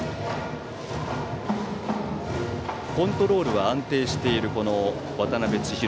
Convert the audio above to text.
コントロールは安定している渡辺千尋。